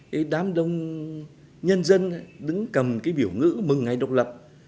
giám đông nhân dân đứng cầm cái biểu ngữ mừng ngày độc lập